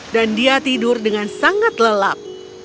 dan dia tidur dengan sangat lelap